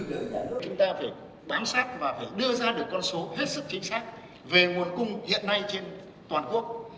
chúng ta phải bám sát và phải đưa ra được con số hết sức chính xác về nguồn cung hiện nay trên toàn quốc